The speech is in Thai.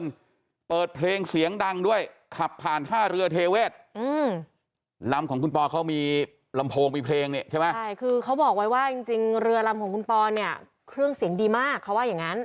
ใช่เขาบอกไว้ว่าจริงเรือลำของคุณปอเนี่ยเครื่องเสียงดีมากเขาว่าอย่างนั้น